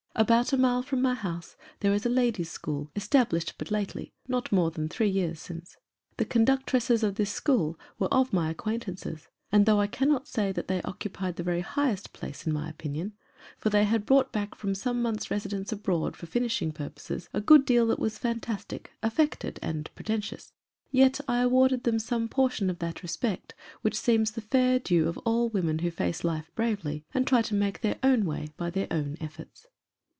About a mile from my house there is a ladies' school, established but lately not more than three years since. The conductresses of this school were of my acquaintances ; and though I cannot say that they occupied the very highest place in my opinion for they had brought back from some months' residence abroad, for finishing purposes, a good deal that was fantastic, affected, and pretentious yet I awarded them some portion of that respect which seems the fair due of all women who face life bravely, and try to make their own way by their own efforts.